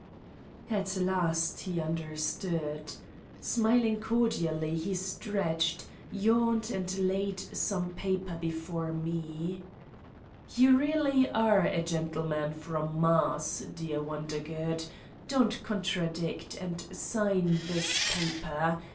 ' At last he understood. Smiling cordially, he stretched, yawned and laid some paper before me. "You really are a gentleman from Mars, dear Wondergood. Don't contradict, and sign this paper.